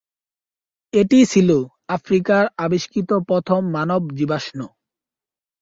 এটিই ছিল আফ্রিকায় আবিষ্কৃত প্রথম মানব জীবাশ্ম।